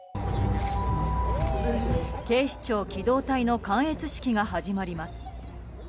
警視庁機動隊の観閲式が始まります。